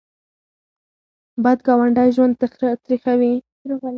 بد ګاونډی ژوند تریخوي